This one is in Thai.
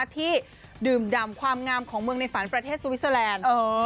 ที่ดื่มดำความงามของเมืองในฝันประเทศสวิสเตอร์แลนด์